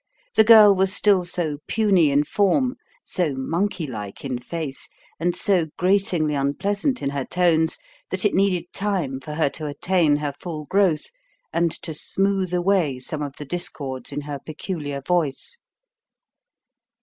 The girl was still so puny in form, so monkey like in face, and so gratingly unpleasant in her tones that it needed time for her to attain her full growth and to smooth away some of the discords in her peculiar voice.